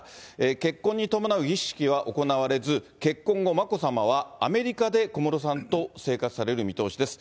結婚に伴う儀式は行われず、結婚後、眞子さまはアメリカで小室さんと生活される見通しです。